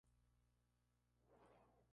Se conoce, en general, como yuca.